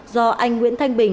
do anh nguyễn thanh bình